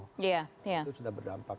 itu sudah berdampak